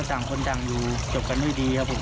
ต่างคนต่างอยู่จบกันด้วยดีครับผม